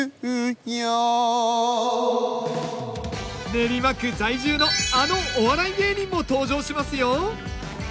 練馬区在住のあのお笑い芸人も登場しますよ！